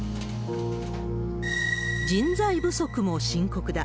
人材不足も深刻だ。